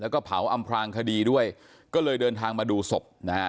แล้วก็เผาอำพลางคดีด้วยก็เลยเดินทางมาดูศพนะฮะ